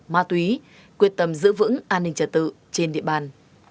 ma túy quyết tâm giữ vững an ninh trật tự trên địa bàn